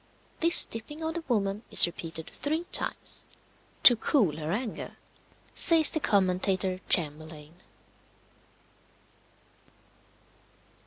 This dipping of the woman is repeated three times, "to cool her anger," says the commentator, Chamberlayne.